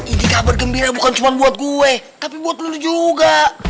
ini kabar gembira bukan cuma buat gue tapi buat lu juga